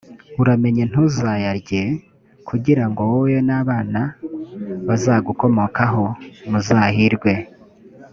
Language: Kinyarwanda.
uramenye ntuzayarye, kugira ngo wowe n’abana bazagukomokaho muzahirwe.